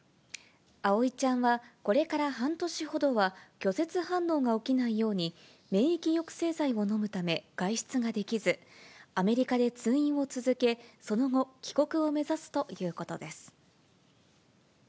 葵ちゃんはこれから半年ほどは、拒絶反応が起きないように免疫抑制剤を飲むため外出ができず、アメリカで通院を続け、その後、帰国を目指すということです。